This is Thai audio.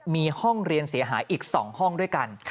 มีห้องเรียนเสียหายอีก๒ห้องด้วยกัน